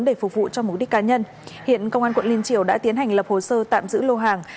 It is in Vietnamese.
để phục vụ cho mục đích cá nhân hiện công an quận liên triều đã tiến hành lập hồ sơ tạm giữ lô hàng